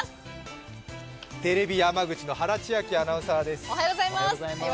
テレビ山口の原千晶アナウンサーです。